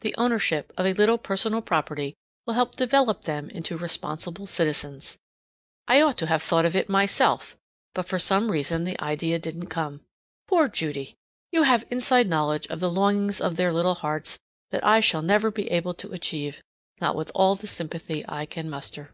The ownership of a little personal property will help develop them into responsible citizens. I ought to have thought of it myself, but for some reason the idea didn't come. Poor Judy! You have inside knowledge of the longings of their little hearts that I shall never be able to achieve, not with all the sympathy I can muster.